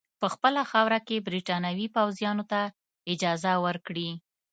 په خپله خاوره کې برټانوي پوځیانو ته اجازه ورکړي.